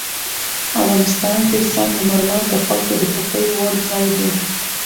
افغانستان کې سنگ مرمر د خلکو د خوښې وړ ځای دی.